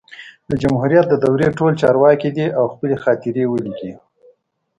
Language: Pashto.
د جمهوریت د دورې ټول چارواکي دي او خپلي خاطرې ولیکي